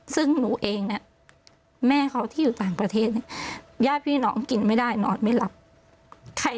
ซึ่งหนูเองน่ะแม่เขาที่อยู่ต่างประเทศนี่